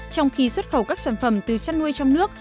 trong khi xuất khẩu các sản phẩm từ chăn nuôi trong nước